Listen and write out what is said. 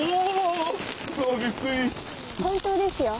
本当ですよ。